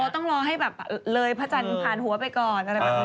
อ๋อต้องรอให้แบบเลยพระจันทร์ผ่านหัวไปก่อน